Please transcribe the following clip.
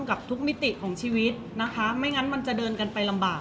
เพราะว่าสิ่งเหล่านี้มันเป็นสิ่งที่ไม่มีพยาน